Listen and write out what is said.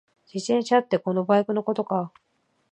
自転車ってこのバイクのことか？